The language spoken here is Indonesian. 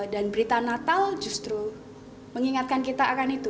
dan berita natal justru mengingatkan kita akan itu